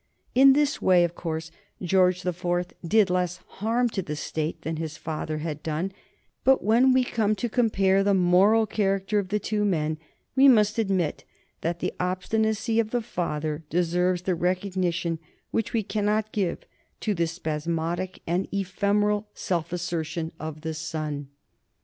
In this way, of course, George the Fourth did less harm to the State than his father had done, but when we come to compare the moral character of the two men we must admit that the obstinacy of the father deserves the recognition which we cannot give to the spasmodic and ephemeral self assertion of the son.